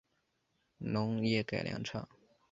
农业改良场